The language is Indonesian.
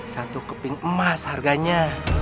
satu keping emas harganya